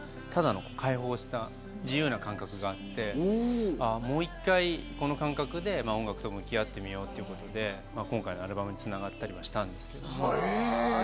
ただの開放した自由な感覚があってもう１回、この感覚で音楽と向き合ってみようということで今回のアルバムに繋がったりしたんですけど。